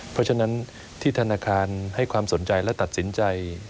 เพราะฉะนั้นที่ธนาคารให้ความสนใจและตัดสินใจ